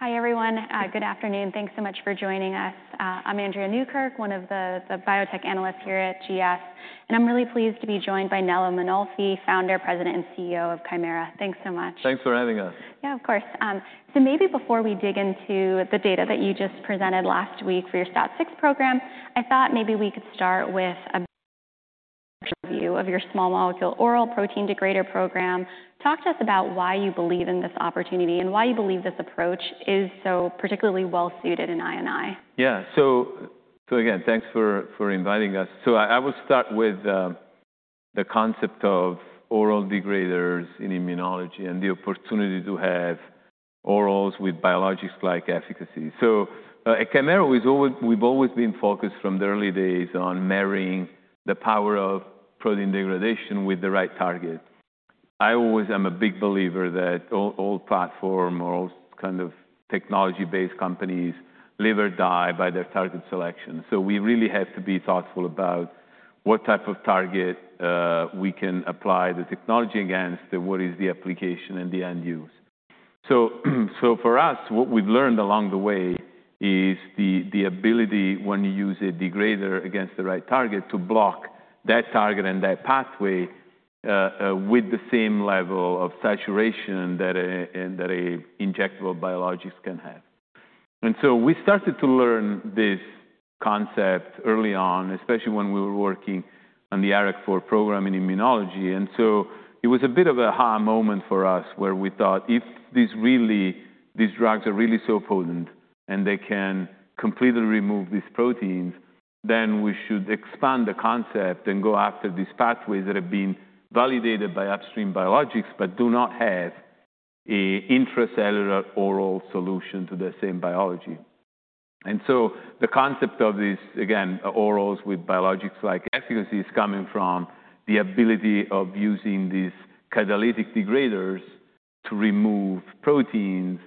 Doing it all next time. All right. Hi, everyone. Good afternoon. Thanks so much for joining us. I'm Andrea Newkirk, one of the biotech analysts here at GS. I'm really pleased to be joined by Nello Mainolfi, founder, President, and CEO of Kymera. Thanks so much. Thanks for having us. Yeah, of course. Maybe before we dig into the data that you just presented last week for your KT-621 program, I thought maybe we could start with a view of your small Molecule Oral Protein Degrader Program. Talk to us about why you believe in this opportunity and why you believe this approach is so particularly well suited in INI. Yeah. So again, thanks for inviting us. I will start with the concept of Oral Degraders in immunology and the opportunity to have orals with biologics-like efficacy. At Kymera, we've always been focused from the early days on marrying the power of protein degradation with the right target. I always am a big believer that all platform or all kind of technology-based companies live or die by their target selection. We really have to be thoughtful about what type of target we can apply the technology against, what is the application, and the end use. For us, what we've learned along the way is the ability, when you use a degrader against the right target, to block that target and that pathway with the same level of saturation that an injectable biologics can have. We started to learn this concept early on, especially when we were working on the IRAK4 rogram in immunology. It was a bit of an aha moment for us where we thought, if these drugs are really so potent and they can completely remove these proteins, then we should expand the concept and go after these pathways that have been validated by upstream biologics but do not have an intracellular oral solution to the same biology. The concept of these, again, orals with biologics-like efficacy is coming from the ability of using these catalytic degraders to remove proteins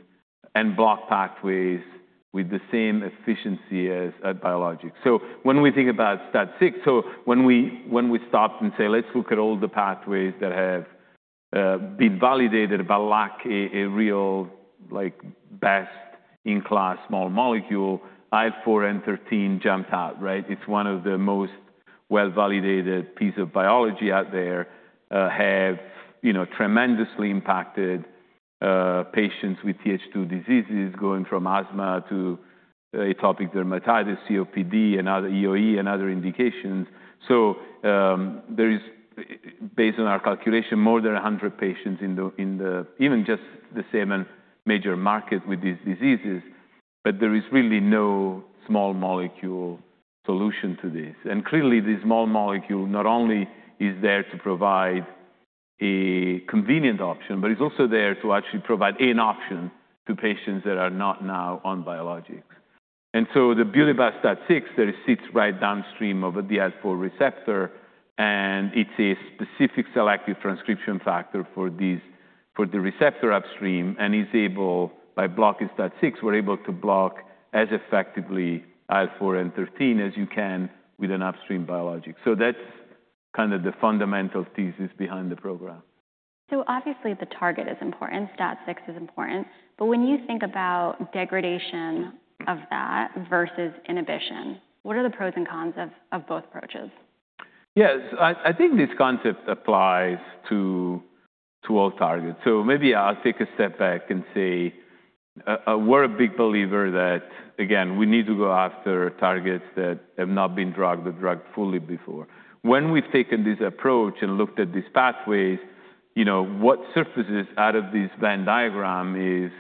and block pathways with the same efficiency as biologics. When we think about STAT6, when we stopped and said, let's look at all the pathways that have been validated but lack a real best-in-class small molecule, IL-4 and 13 jumped out, right? It's one of the most well-validated pieces of biology out there, have tremendously impacted patients with TH2 diseases going from asthma to atopic dermatitis, COPD, and other EoE and other indications. There is, based on our calculation, more than 100 patients in even just the same major market with these diseases. There is really no small molecule solution to this. Clearly, the small molecule not only is there to provide a convenient option, but it's also there to actually provide an option to patients that are not now on biologics. So, the beauty of STAT6 sits right downstream of a STAT6 receptor. It's a specific selective transcription factor for the receptor upstream. By blocking STAT6, we're able to block as effectively IL-4 and IL-13 as you can with an upstream biologic. That's kind of the fundamental thesis behind the program. Obviously, the target is important. STAT6 is important. But when you think about degradation of that versus inhibition, what are the pros and cons of both approaches? Yes. I think this concept applies to all targets. Maybe I'll take a step back and say we're a big believer that, again, we need to go after targets that have not been drugged or drugged fully before. When we've taken this approach and looked at these pathways, what surfaces out of this Venn diagram is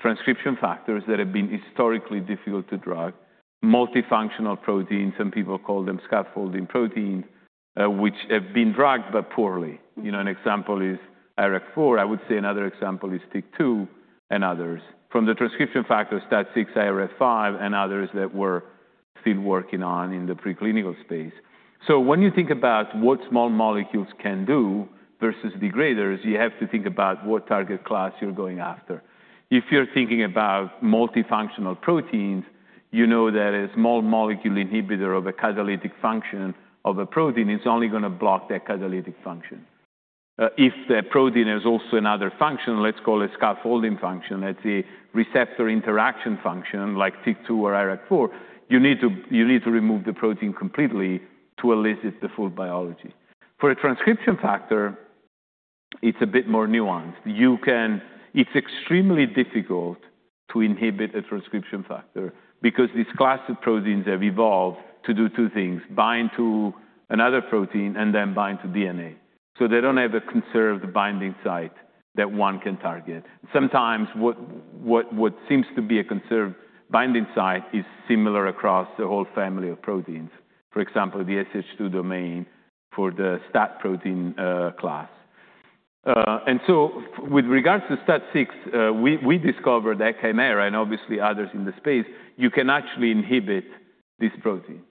transcription factors that have been historically difficult to drug, multifunctional proteins, some people call them scaffolding proteins, which have been drugged but poorly. An example is IRAK4. I would say another example is TYK2 and others. From the transcription factors, STAT6, IRF5, and others that we're still working on in the preclinical space. When you think about what small molecules can do versus degraders, you have to think about what target class you're going after. If you're thinking about multifunctional proteins, you know that a small molecule inhibitor of a catalytic function of a protein is only going to block that catalytic function. If the protein has also another function, let's call it scaffolding function, let's say receptor interaction function like TYK2 or IRF5, you need to remove the protein completely to elicit the full biology. For a transcription factor, it's a bit more nuanced. It's extremely difficult to inhibit a transcription factor because these classic proteins have evolved to do two things: bind to another protein and then bind to DNA. So they don't have a conserved binding site that one can target. Sometimes what seems to be a conserved binding site is similar across the whole family of proteins, for example, the SH2 domain for the STAT protein class. With regards to STAT6, we discovered at Kymera and obviously others in the space, you can actually inhibit this protein.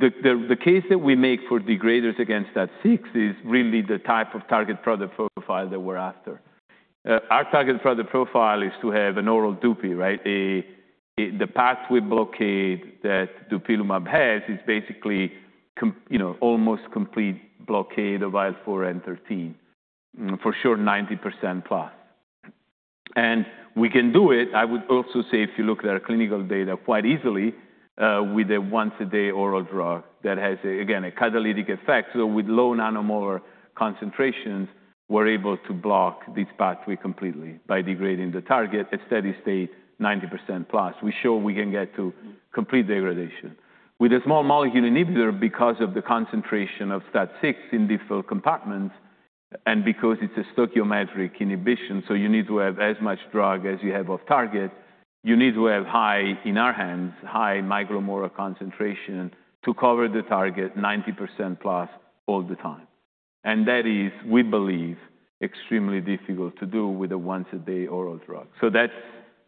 The case that we make for degraders against STAT6 is really the type of target product profile that we're after. Our target product profile is to have an oral DUPI, right? The pathway blockade that Dupilumab has is basically almost complete blockade of IL-4 and 13, for sure 90% plus. We can do it. I would also say, if you look at our clinical data, quite easily with a once-a-day oral drug that has, again, a catalytic effect. With low nanomolar concentrations, we're able to block this pathway completely by degrading the target at steady state, 90% plus. We show we can get to complete degradation. With a small molecule inhibitor, because of the concentration of STAT6 in different compartments and because it's a stoichiometric inhibition, you need to have as much drug as you have off target, you need to have high, in our hands, high micromolar concentration to cover the target 90% plus all the time. That is, we believe, extremely difficult to do with a once-a-day oral drug.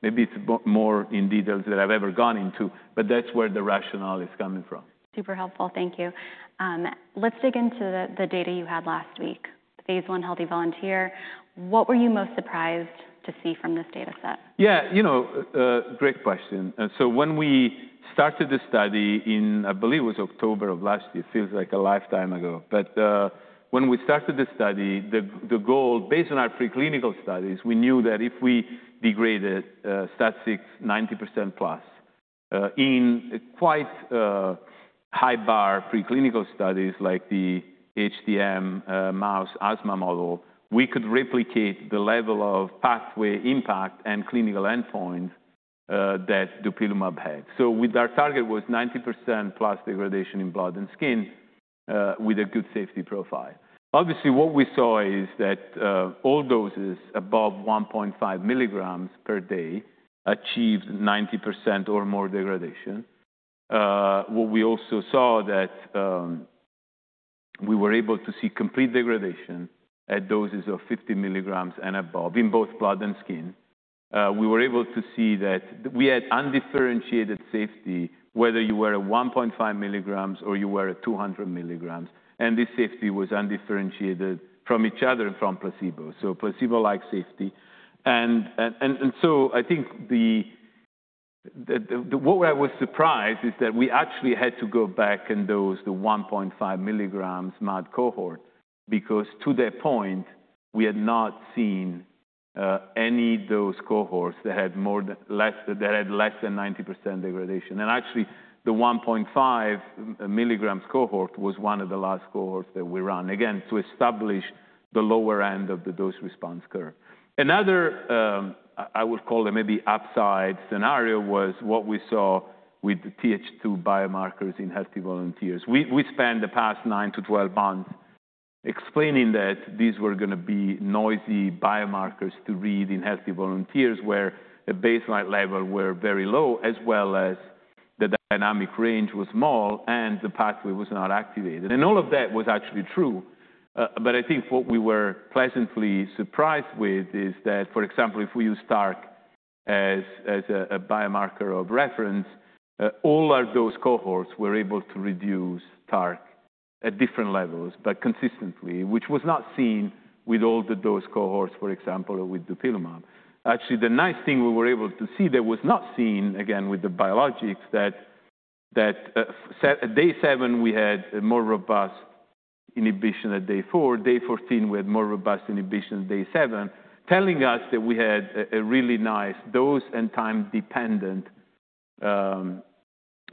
Maybe it's more in details than I've ever gone into, but that's where the rationale is coming from. Super helpful. Thank you. Let's dig into the data you had last week. Phase I healthy volunteer. What were you most surprised to see from this data set? Yeah. You know, great question. When we started the study in, I believe it was October of last year, feels like a lifetime ago. When we started the study, the goal, based on our preclinical studies, we knew that if we degraded STAT6 90% plus in quite high bar preclinical studies like the HDM mouse asthma model, we could replicate the level of pathway impact and clinical endpoint that Dupilumab had. Our target was 90% plus degradation in blood and skin with a good safety profile. Obviously, what we saw is that all doses above 1.5 mg per day achieved 90% or more degradation. What we also saw was that we were able to see complete degradation at doses of 50 mg and above in both blood and skin. We were able to see that we had undifferentiated safety, whether you were at 1.5 milligrams or you were at 200 milligrams. This safety was undifferentiated from each other and from placebo. Placebo-like safety. I think what I was surprised is that we actually had to go back and dose the 1.5 milligrams mAD cohort because to that point, we had not seen any dose cohorts that had less than 90% degradation. Actually, the 1.5 milligrams cohort was one of the last cohorts that we ran, again, to establish the lower end of the dose response curve. Another, I would call it maybe upside scenario, was what we saw with the TH2 biomarkers in healthy volunteers. We spent the past 9-12 months explaining that these were going to be noisy biomarkers to read in healthy volunteers where the baseline level were very low, as well as the dynamic range was small and the pathway was not activated. All of that was actually true. I think what we were pleasantly surprised with is that, for example, if we use TARC as a biomarker of reference, all our dose cohorts were able to reduce TARC at different levels, but consistently, which was not seen with all the dose cohorts, for example, with Dupilumab. Actually, the nice thing we were able to see that was not seen, again, with the biologics, that day 7, we had more robust inhibition at day four. Day 14, we had more robust inhibition at day seven, telling us that we had a really nice dose and time-dependent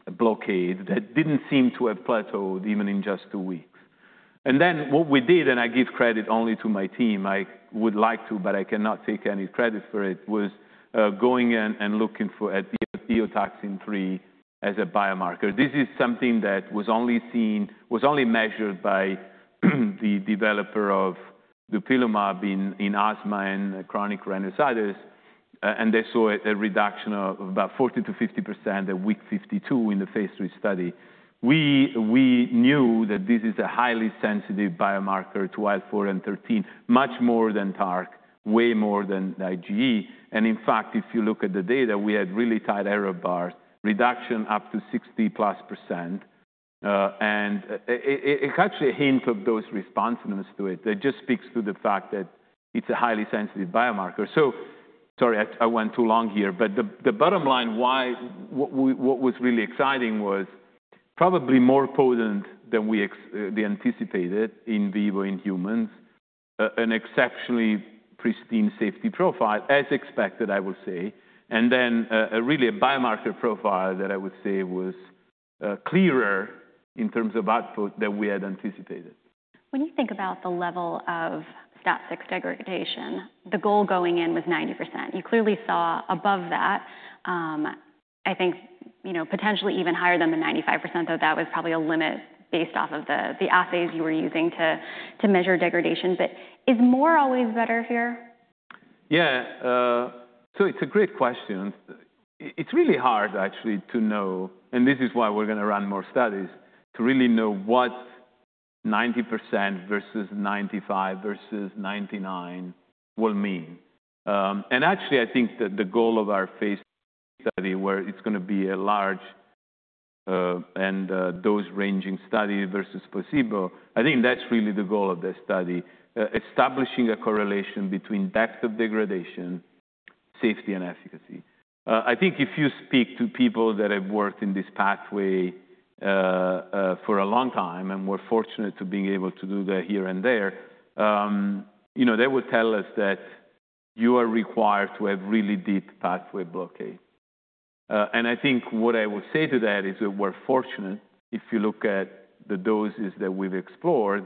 blockade that did not seem to have plateaued even in just two weeks. What we did, and I give credit only to my team, I would like to, but I cannot take any credit for it, was going and looking at the Eotaxin-3 as a biomarker. This is something that was only seen, was only measured by the developer of Dupilumab in asthma and chronic rhinosinusitis. They saw a reduction of about 40%-50% at week 52 in the phase III study. We knew that this is a highly sensitive biomarker to IL-4 and 13, much more than TARC, way more than IgE. In fact, if you look at the data, we had really tight error bars, reduction up to 60% plus percent. It is actually a hint of dose responsiveness to it. That just speaks to the fact that it is a highly sensitive biomarker. Sorry, I went too long here. The bottom line, what was really exciting was probably more potent than we anticipated in vivo in humans, an exceptionally pristine safety profile, as expected, I will say. Really a biomarker profile that I would say was clearer in terms of output than we had anticipated. When you think about the level of STAT6 degradation, the goal going in was 90%. You clearly saw above that, I think potentially even higher than the 95%, though that was probably a limit based off of the assays you were using to measure degradation. Is more always better here? Yeah. It's a great question. It's really hard, actually, to know, and this is why we're going to run more studies, to really know what 90% versus 95% versus 99% will mean. Actually, I think that the goal of our phase III study, where it's going to be a large and dose-ranging study versus placebo, I think that's really the goal of this study, establishing a correlation between depth of degradation, safety, and efficacy. I think if you speak to people that have worked in this pathway for a long time and were fortunate to be able to do that here and there, they will tell us that you are required to have really deep pathway blockade. I think what I will say to that is that we're fortunate, if you look at the doses that we've explored,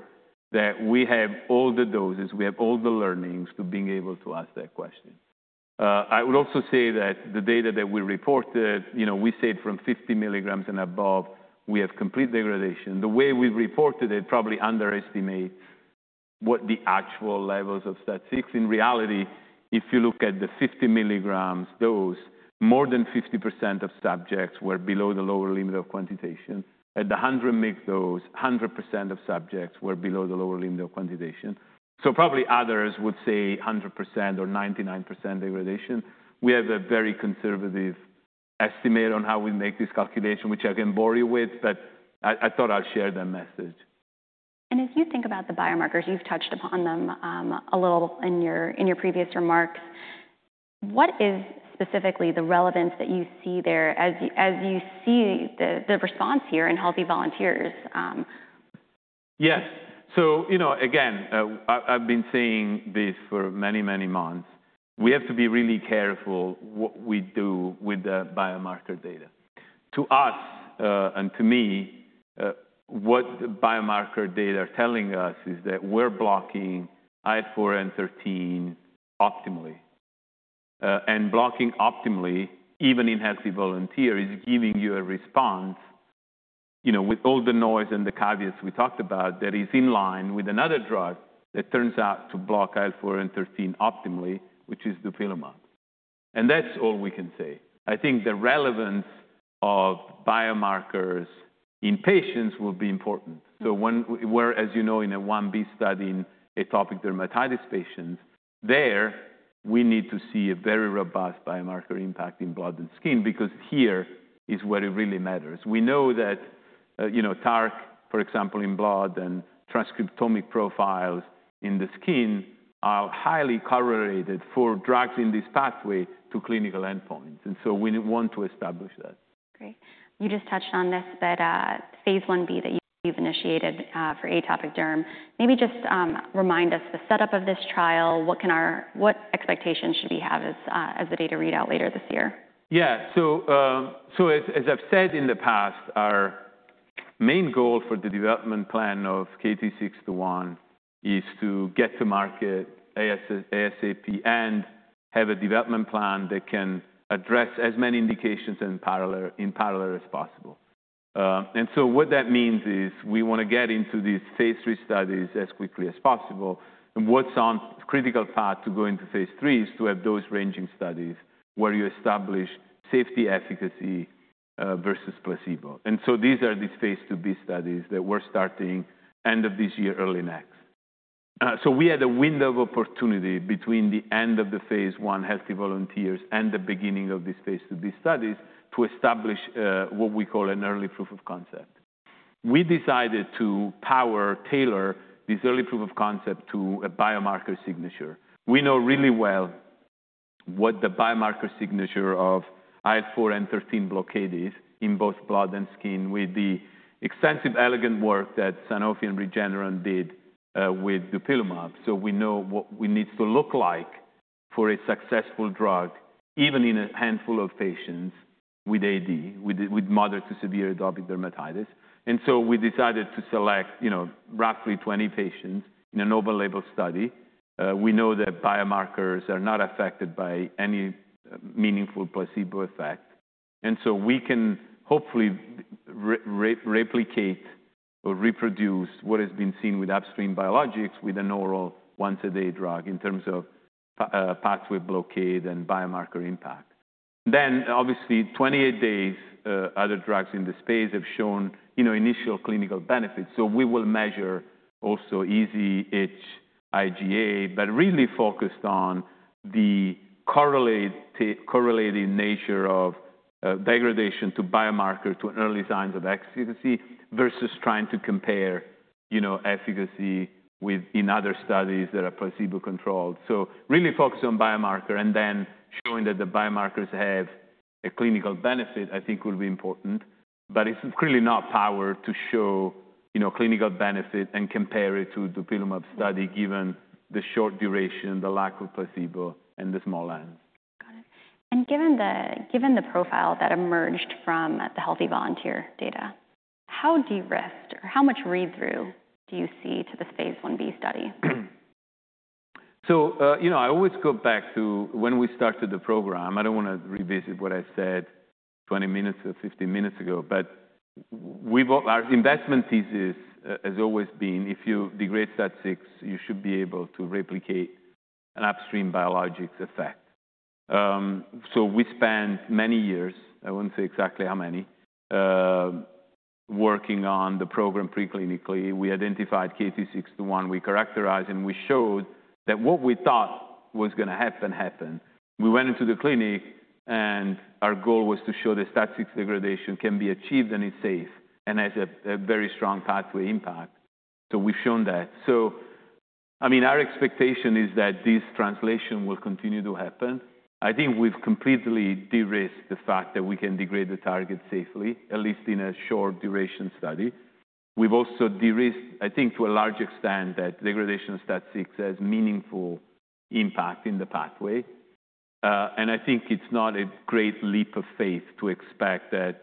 that we have all the doses, we have all the learnings to being able to ask that question. I would also say that the data that we reported, we said from 50 milligrams and above, we have complete degradation. The way we reported it probably underestimates what the actual levels of STAT6. In reality, if you look at the 50 milligrams dose, more than 50% of subjects were below the lower limit of quantitation. At the 100 mg dose, 100% of subjects were below the lower limit of quantitation. Probably others would say 100% or 99% degradation. We have a very conservative estimate on how we make this calculation, which I can bore you with. I thought I'll share that message. As you think about the biomarkers, you've touched upon them a little in your previous remarks. What is specifically the relevance that you see there as you see the response here in healthy volunteers? Yes. Again, I've been saying this for many, many months. We have to be really careful what we do with the biomarker data. To us and to me, what the biomarker data are telling us is that we're blocking IL-4 and 13 optimally. Blocking optimally, even in healthy volunteers, is giving you a response with all the noise and the caveats we talked about that is in line with another drug that turns out to block IL-4 and 13 optimally, which is Dupilumab. That's all we can say. I think the relevance of biomarkers in patients will be important. As you know, we're in a 1B study in atopic dermatitis patients. There, we need to see a very robust biomarker impact in blood and skin because here is where it really matters. We know that TARC, for example, in blood and transcriptomic profiles in the skin are highly correlated for drugs in this pathway to clinical endpoints. We want to establish that. Great. You just touched on this, but phase IB that you've initiated for atopic derm, maybe just remind us the setup of this trial. What expectations should we have as the data readout later this year? Yeah. As I've said in the past, our main goal for the development plan of KT-621 is to get to market ASAP and have a development plan that can address as many indications in parallel as possible. What that means is we want to get into these phase III studies as quickly as possible. What's on critical path to go into phase III is to have dose-ranging studies where you establish safety, efficacy versus placebo. These are these phase IIB studies that we're starting end of this year, early next. We had a window of opportunity between the end of the phase I healthy volunteers and the beginning of these phase IIB studies to establish what we call an early proof of concept. We decided to power tailor this early proof of concept to a biomarker signature. We know really well what the biomarker signature of IL-4 and 13 blockade is in both blood and skin with the extensive elegant work that Sanofi and Regeneron did with Dupilumab. We know what it needs to look like for a successful drug, even in a handful of patients with AD, with moderate to severe atopic dermatitis. We decided to select roughly 20 patients in a novel label study. We know that biomarkers are not affected by any meaningful placebo effect. We can hopefully replicate or reproduce what has been seen with upstream biologics with an oral once-a-day drug in terms of pathway blockade and biomarker impact. Obviously, 28 days, other drugs in this phase have shown initial clinical benefits. We will measure also EZH, IgA, but really focused on the correlating nature of degradation to biomarker to early signs of efficacy versus trying to compare efficacy in other studies that are placebo-controlled. Really focus on biomarker and then showing that the biomarkers have a clinical benefit, I think, will be important. It is really not powered to show clinical benefit and compare it to Dupilumab study given the short duration, the lack of placebo, and the small n. Got it. Given the profile that emerged from the healthy volunteer data, how de-risked or how much read-through do you see to this phase IB study? I always go back to when we started the program. I don't want to revisit what I said 20 minutes or 15 minutes ago. Our investment thesis has always been, if you degrade STAT6, you should be able to replicate an upstream biologics effect. We spent many years, I won't say exactly how many, working on the program preclinically. We identified KT-621. We characterized, and we showed that what we thought was going to happen, happened. We went into the clinic, and our goal was to show that STAT6 degradation can be achieved and is safe and has a very strong pathway impact. We've shown that. I mean, our expectation is that this translation will continue to happen. I think we've completely de-risked the fact that we can degrade the target safely, at least in a short duration study. We've also de-risked, I think, to a large extent that degradation of STAT6 has meaningful impact in the pathway. I think it's not a great leap of faith to expect that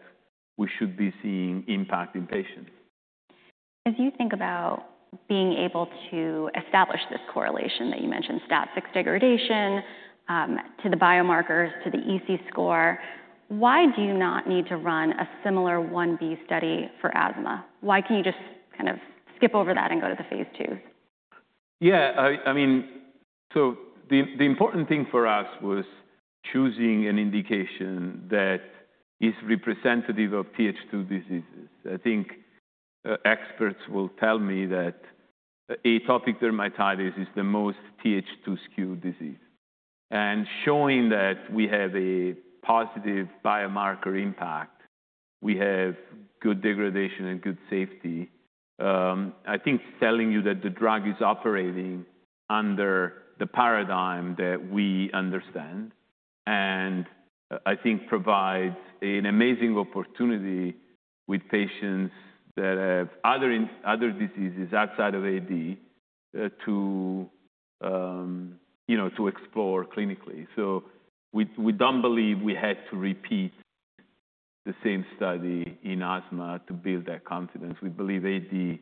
we should be seeing impact in patients. As you think about being able to establish this correlation that you mentioned, STAT6 degradation to the biomarkers, to the EC score, why do you not need to run a similar 1B study for asthma? Why can you just kind of skip over that and go to the phase II? Yeah. I mean, the important thing for us was choosing an indication that is representative of TH2 diseases. I think experts will tell me that atopic dermatitis is the most TH2 skewed disease. Showing that we have a positive biomarker impact, we have good degradation and good safety, I think telling you that the drug is operating under the paradigm that we understand and I think provides an amazing opportunity with patients that have other diseases outside of AD to explore clinically. We do not believe we had to repeat the same study in asthma to build that confidence. We believe AD,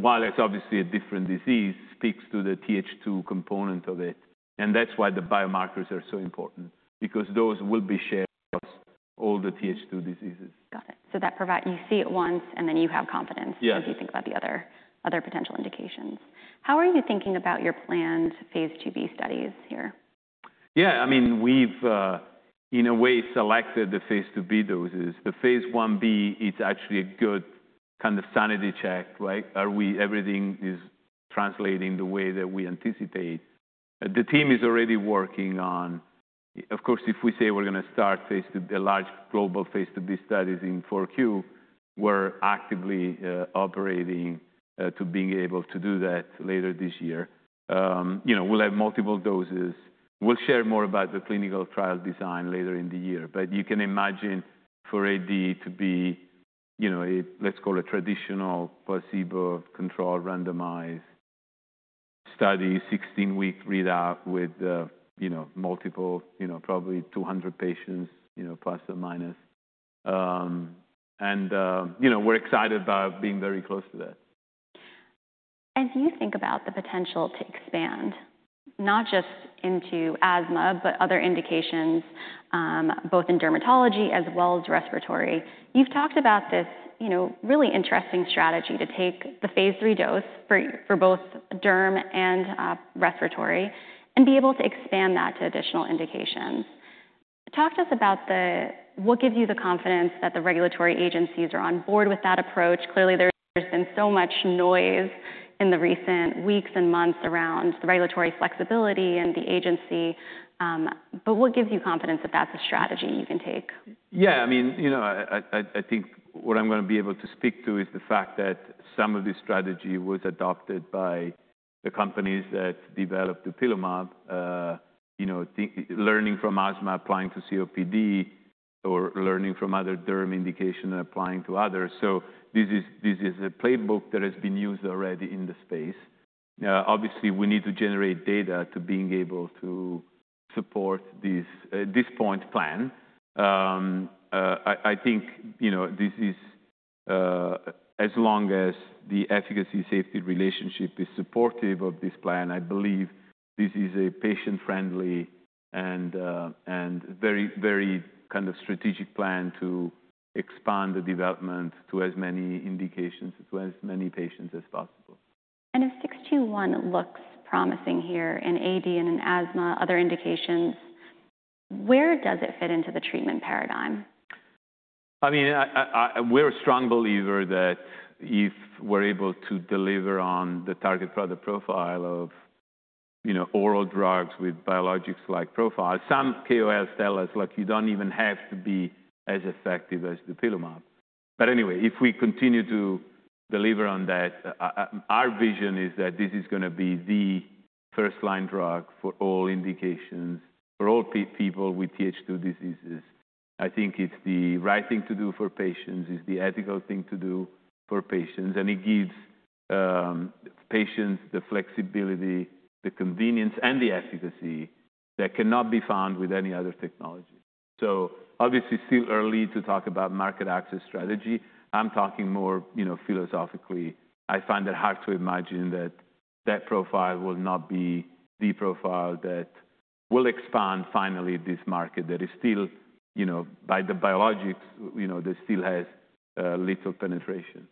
while it is obviously a different disease, speaks to the TH2 component of it. That is why the biomarkers are so important, because those will be shared across all the TH2 diseases. Got it. So you see it once, and then you have confidence as you think about the other potential indications. How are you thinking about your planned phase IIB studies here? Yeah. I mean, we've, in a way, selected the phase IIB doses. The phase IB, it's actually a good kind of sanity check, right? Are we, everything is translating the way that we anticipate? The team is already working on, of course, if we say we're going to start a large global phase IIB studies in 4Q, we're actively operating to being able to do that later this year. We'll have multiple doses. We'll share more about the clinical trial design later in the year. You can imagine for AD to be a, let's call it, traditional placebo-controlled randomized study, 16-week readout with multiple, probably 200 patients plus or minus. We're excited about being very close to that. As you think about the potential to expand, not just into asthma, but other indications, both in dermatology as well as respiratory, you've talked about this really interesting strategy to take the phase III dose for both derm and respiratory and be able to expand that to additional indications. Talk to us about what gives you the confidence that the regulatory agencies are on board with that approach. Clearly, there's been so much noise in the recent weeks and months around the regulatory flexibility and the agency. What gives you confidence that that's a strategy you can take? Yeah. I mean, I think what I'm going to be able to speak to is the fact that some of this strategy was adopted by the companies that developed Dupilumab, learning from asthma, applying to COPD, or learning from other derm indication and applying to others. This is a playbook that has been used already in the space. Obviously, we need to generate data to being able to support this point plan. I think this is, as long as the efficacy-safety relationship is supportive of this plan, I believe this is a patient-friendly and very, very kind of strategic plan to expand the development to as many indications to as many patients as possible. If 621 looks promising here in AD and in asthma, other indications, where does it fit into the treatment paradigm? I mean, we're a strong believer that if we're able to deliver on the target product profile of oral drugs with biologics-like profile, some KOLs tell us, look, you don't even have to be as effective as Dupilumab. Anyway, if we continue to deliver on that, our vision is that this is going to be the first-line drug for all indications, for all people with TH2 diseases. I think it's the right thing to do for patients. It's the ethical thing to do for patients. It gives patients the flexibility, the convenience, and the efficacy that cannot be found with any other technology. Obviously, still early to talk about market access strategy. I'm talking more philosophically. I find it hard to imagine that that profile will not be the profile that will expand finally this market that is still, by the biologics, there still has little penetration.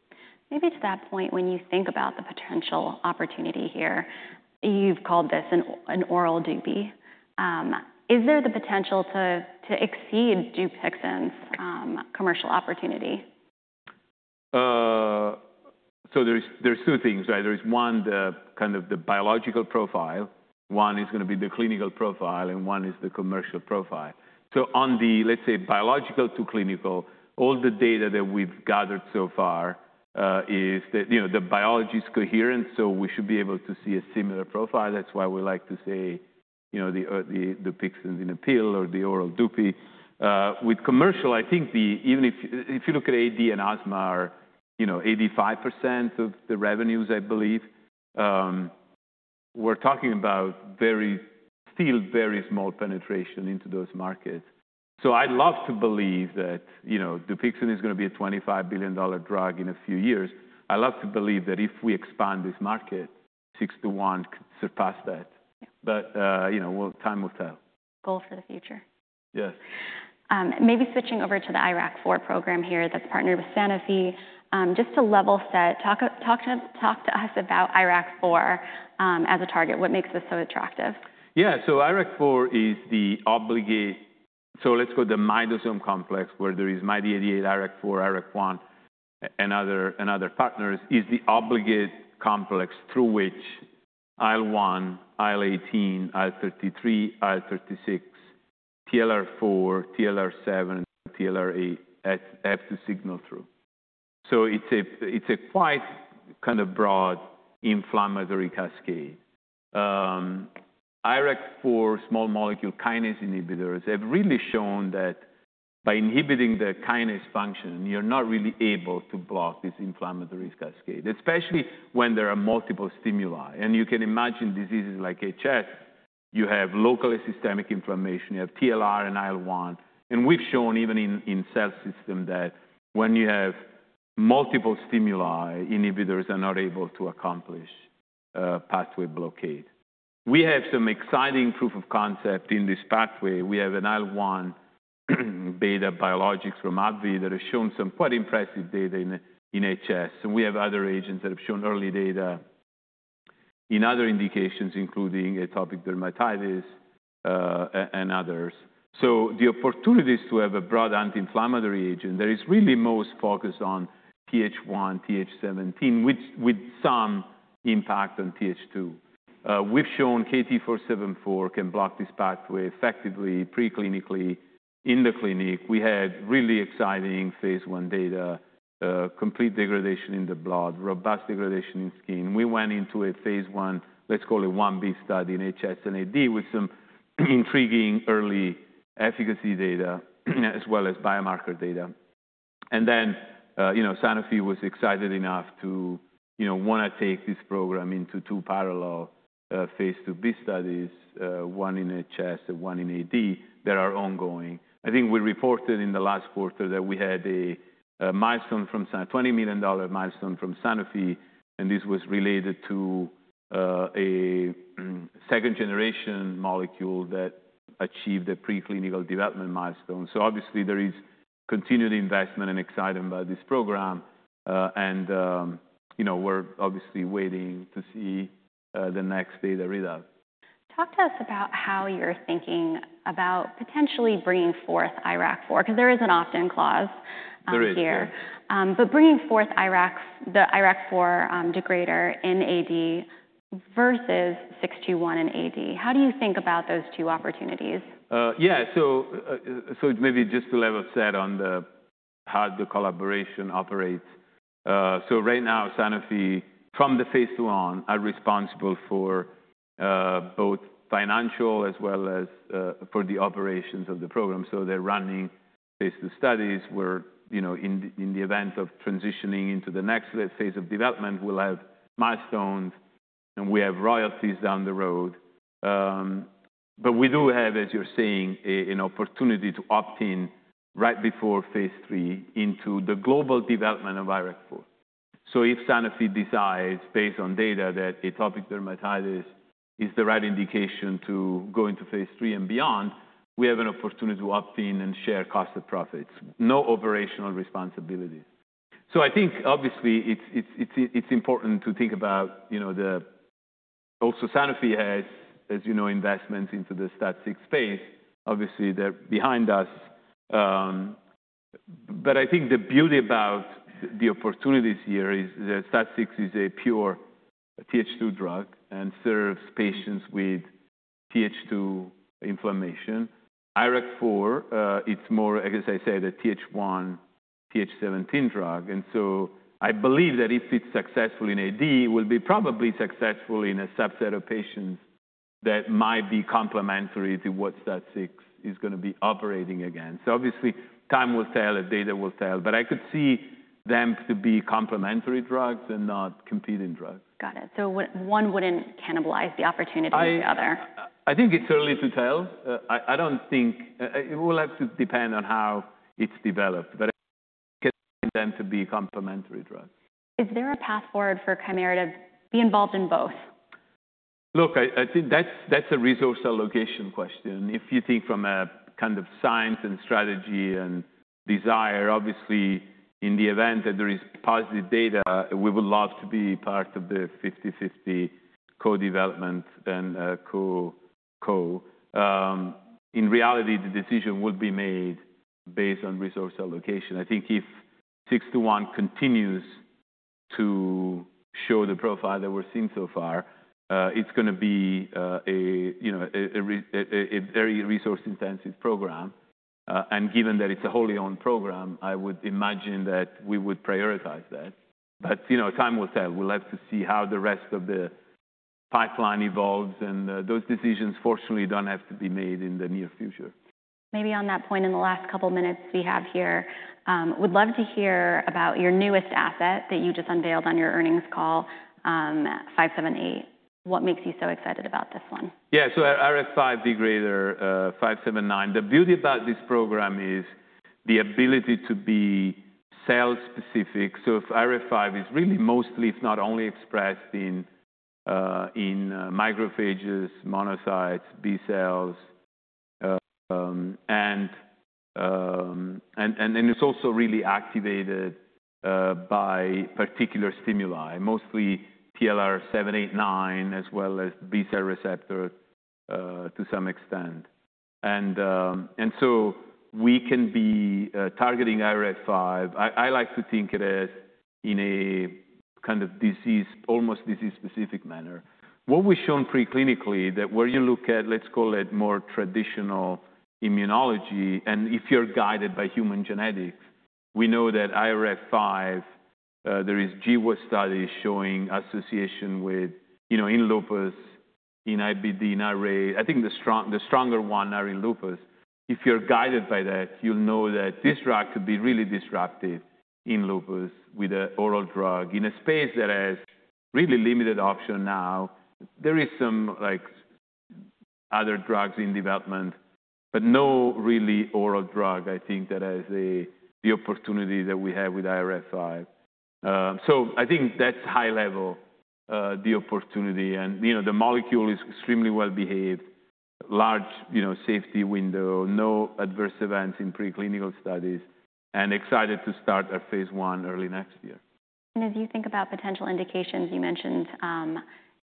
Maybe to that point, when you think about the potential opportunity here, you've called this an oral Dupixent. Is there the potential to exceed Dupixent's commercial opportunity? There are two things, right? There is one, kind of the biological profile. One is going to be the clinical profile, and one is the commercial profile. On the, let's say, biological to clinical, all the data that we've gathered so far is that the biology is coherent, so we should be able to see a similar profile. That's why we like to say Dupixent in a pill or the oral doobie. With commercial, I think if you look at AD and asthma, 85% of the revenues, I believe, we're talking about still very small penetration into those markets. I'd love to believe that Dupixent is going to be a $25 billion drug in a few years. I'd love to believe that if we expand this market, 621 could surpass that. Time will tell. Goal for the future. Yes. Maybe switching over to the IRAK4 program here that's partnered with Sanofi. Just to level set, talk to us about IRAK4 as a target. What makes this so attractive? Yeah. IRAC4 is the obligate—let's call it the myddosome complex, where there is MyD88, IRAC4, IRAC1, and other partners—is the obligate complex through which IL1, IL18, IL33, IL36, TLR4, TLR7, TLR8 have to signal through. It is a quite kind of broad inflammatory cascade. IRAC4 small molecule kinase inhibitors have really shown that by inhibiting the kinase function, you're not really able to block this inflammatory cascade, especially when there are multiple stimuli. You can imagine diseases like HS. You have locally systemic inflammation. You have TLR and IL1. We've shown even in cell system that when you have multiple stimuli, inhibitors are not able to accomplish pathway blockade. We have some exciting proof of concept in this pathway. We have an IL1 beta biologic from AbbVie that has shown some quite impressive data in HS. We have other agents that have shown early data in other indications, including atopic dermatitis and others. The opportunities to have a broad anti-inflammatory agent, there is really most focus on TH1, TH17, with some impact on TH2. We've shown KT-474 can block this pathway effectively preclinically in the clinic. We had really exciting phase I data, complete degradation in the blood, robust degradation in skin. We went into a phase I, let's call it IB study in HS and AD with some intriguing early efficacy data as well as biomarker data. Sanofi was excited enough to want to take this program into two parallel phase IIB studies, one in HS and one in AD that are ongoing. I think we reported in the last quarter that we had a $20 million milestone from Sanofi. This was related to a second-generation molecule that achieved a preclinical development milestone. Obviously, there is continued investment and excitement about this program. We are obviously waiting to see the next data readout. Talk to us about how you're thinking about potentially bringing forth IRAK4, because there is an opt-in clause here. There is. Bringing forth the IRAK4 degrader in AD versus 621 in AD, how do you think about those two opportunities? Yeah. Maybe just to level set on how the collaboration operates. Right now, Sanofi, from the phase II on, are responsible for both financial as well as for the operations of the program. They're running phase II studies where, in the event of transitioning into the next phase of development, we'll have milestones, and we have royalties down the road. We do have, as you're saying, an opportunity to opt in right before phase III into the global development of IRAK4. If Sanofi decides, based on data, that atopic dermatitis is the right indication to go into phase III and beyond, we have an opportunity to opt in and share cost of profits. No operational responsibility. I think, obviously, it's important to think about the also Sanofi has, as you know, investments into the STAT6 space. Obviously, they're behind us. I think the beauty about the opportunities here is that STAT6 is a pure TH2 drug and serves patients with TH2 inflammation. IRAK4, it's more, as I said, a TH1, TH17 drug. I believe that if it's successful in AD, it will be probably successful in a subset of patients that might be complementary to what STAT6 is going to be operating against. Obviously, time will tell. Data will tell. I could see them to be complementary drugs and not competing drugs. Got it. One wouldn't cannibalize the opportunity of the other. I think it's early to tell. I don't think it will have to depend on how it's developed, but I can see them to be complementary drugs. Is there a path forward for Kymera to be involved in both? Look, I think that's a resource allocation question. If you think from a kind of science and strategy and desire, obviously, in the event that there is positive data, we would love to be part of the 50/50 co-development and co-co. In reality, the decision will be made based on resource allocation. I think if 621 continues to show the profile that we're seeing so far, it's going to be a very resource-intensive program. Given that it's a wholly owned program, I would imagine that we would prioritize that. Time will tell. We'll have to see how the rest of the pipeline evolves. Those decisions, fortunately, don't have to be made in the near future. Maybe on that point, in the last couple of minutes we have here, would love to hear about your newest asset that you just unveiled on your earnings call, 578. What makes you so excited about this one? Yeah. Our IRF5 degrader, 579, the beauty about this program is the ability to be cell-specific. If IRF5 is really mostly, if not only, expressed in macrophages, monocytes, B cells. It is also really activated by particular stimuli, mostly TLR7, 8, 9, as well as B cell receptor to some extent. We can be targeting IRF5. I like to think of it as in a kind of disease, almost disease-specific manner. What we have shown preclinically, where you look at, let's call it more traditional immunology, and if you are guided by human genetics, we know that IRF5, there are GWAS studies showing association in lupus, in IBD, in RA. I think the stronger ones are in lupus. If you're guided by that, you'll know that this drug could be really disruptive in lupus with an oral drug in a space that has really limited option now. There are some other drugs in development, but no really oral drug, I think, that has the opportunity that we have with IRF5. I think that's high-level the opportunity. And the molecule is extremely well-behaved, large safety window, no adverse events in preclinical studies, and excited to start our phase I early next year. As you think about potential indications, you mentioned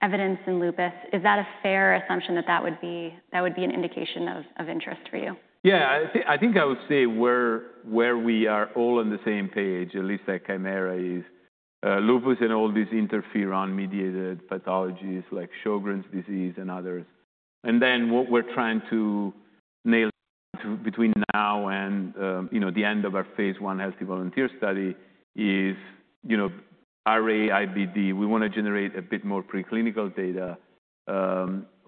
evidence in lupus. Is that a fair assumption that that would be an indication of interest for you? Yeah. I think I would say where we are all on the same page, at least at Kymera, is lupus and all these interferon-mediated pathologies like Sjogren's disease and others. What we're trying to nail between now and the end of our phase I healthy volunteer study is RA, IBD. We want to generate a bit more preclinical data,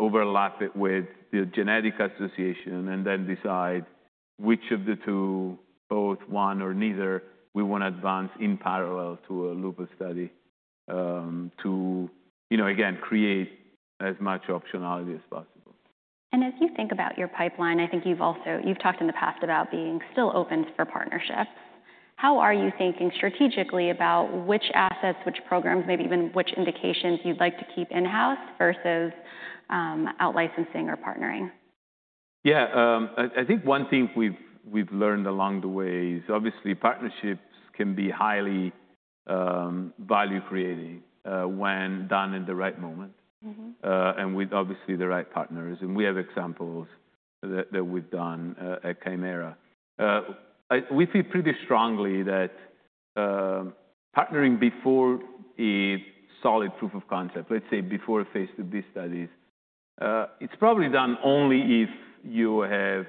overlap it with the genetic association, and then decide which of the two, both, one, or neither we want to advance in parallel to a lupus study to, again, create as much optionality as possible. As you think about your pipeline, I think you've talked in the past about being still open for partnerships. How are you thinking strategically about which assets, which programs, maybe even which indications you'd like to keep in-house versus outlicensing or partnering? Yeah. I think one thing we've learned along the way is, obviously, partnerships can be highly value-creating when done at the right moment and with, obviously, the right partners. We have examples that we've done at Kymera. We feel pretty strongly that partnering before a solid proof of concept, let's say before phase IIB studies, is probably done only if you have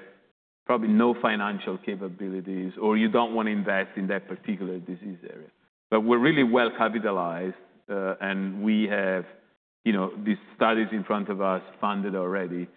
probably no financial capabilities or you don't want to invest in that particular disease area. We're really well capitalized, and we have these studies in front of us funded already.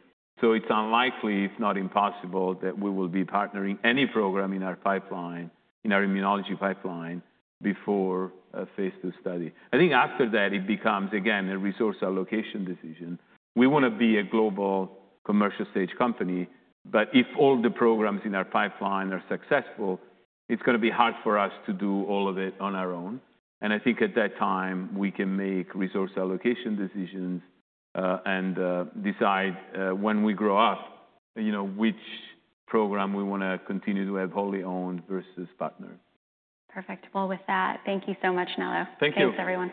It is unlikely, if not impossible, that we will be partnering any program in our pipeline, in our immunology pipeline, before a phase II study. I think after that, it becomes, again, a resource allocation decision. We want to be a global commercial stage company. If all the programs in our pipeline are successful, it's going to be hard for us to do all of it on our own. I think at that time, we can make resource allocation decisions and decide when we grow up which program we want to continue to have wholly owned versus partnered. Perfect. With that, thank you so much, Nello. Thank you. Thanks everyone.